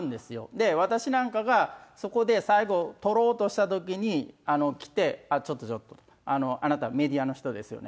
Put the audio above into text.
で、私なんかがそこで最後、撮ろうとしたときに来て、あっ、ちょっとちょっと、あなた、メディアの人ですよね。